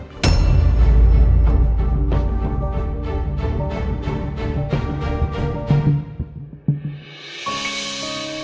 saya sangat berharap